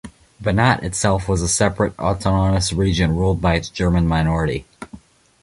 Banat itself was a separate autonomous region ruled by its German minority.